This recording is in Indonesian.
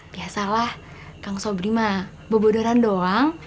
biasalah kang sobri mah bobodoran doang